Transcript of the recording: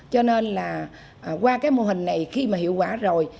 cho nên là qua cái mô hình này khi mà hiệu quả rồi